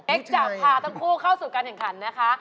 จะพาทั้งคู่เข้าสู่การแข่งขันนะคะ